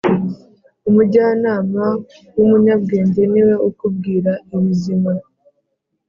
umujyanama w umunyabwenge niwe ukubwira ibizima